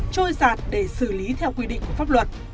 trôi giạt để xử lý theo quy định của pháp luật